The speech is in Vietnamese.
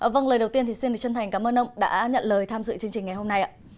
vâng lời đầu tiên xin chân thành cảm ơn ông đã nhận lời tham dự chương trình ngày hôm nay